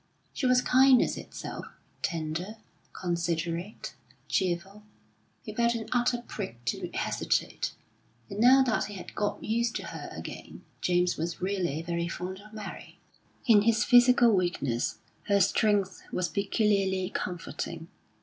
She was kindness itself, tender, considerate, cheerful; he felt an utter prig to hesitate. And now that he had got used to her again, James was really very fond of Mary. In his physical weakness, her strength was peculiarly comforting.